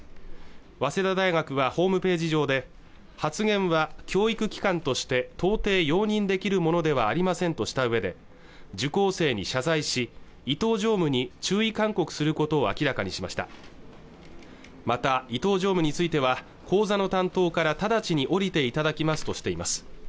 早稲田大学はホームページ上で発言は教育機関として到底容認できるものではありませんとした上で受講生に謝罪し伊東常務に注意勧告することを明らかにしましたまた伊東常務については講座の担当から直ちに降りて頂きますとしています